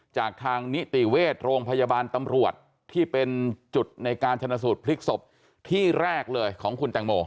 จากทางนิติเวชโรงพยาบาลตำรวจที่เป็นจุดในการชนะสูตรพลิกศพที่แรกเลยของคุณแตงโม